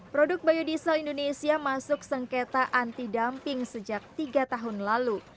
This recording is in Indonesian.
produk biodiesel indonesia masuk sengketa anti dumping sejak tiga tahun lalu